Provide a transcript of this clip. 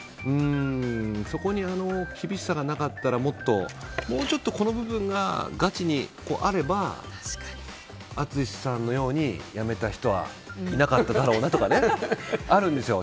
そこに厳しさがなかったらもうちょっとこの部分がガチにあれば淳さんのように辞めた人はいなかっただろうなとかねあるんですよ。